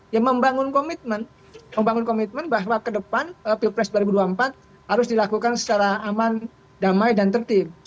ya membangun komitmen membangun komitmen bahwa ke depan pilpres dua ribu dua puluh empat harus dilakukan secara aman damai dan tertib